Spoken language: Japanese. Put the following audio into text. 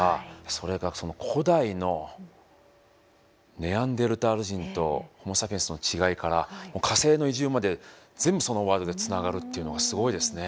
それがその古代のネアンデルタール人とホモ・サピエンスの違いから火星の移住まで全部そのワードでつながるっていうのはすごいですね。